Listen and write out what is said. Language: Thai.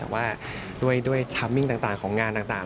แต่ว่าด้วยทามมิ่งต่างของงานต่าง